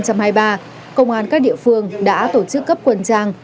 công an các địa phương đã tổ chức cấp quân trang